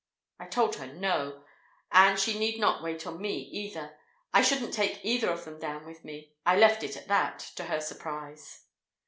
_ I told her, no; and she need not wait on me either. I shouldn't take either of them down with me. I left it at that—to her surprise.